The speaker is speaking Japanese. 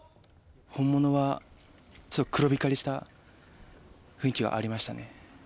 本物は黒光りした雰囲気はありましたね。